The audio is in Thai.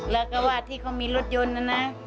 แล้วก็ว่าที่เขามีรถยนต์นะนะ